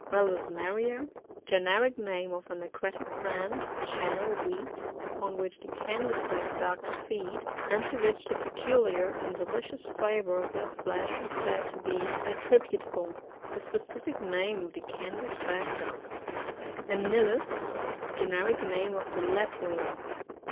Valesneria. — Generic name of an aquatic plant, Channel Weed, upoil which the Canvass back ducks feed, and to which the peculiar and delicious flavour of their flesh, is said to be attributable. The spe. ciflc name of the Canvass back duck. Vanellus. — Generic name of the Lapwing.